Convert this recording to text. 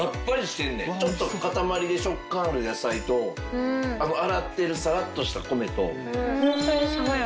ちょっと塊で食感ある野菜とあの洗ってるサラっとした米と。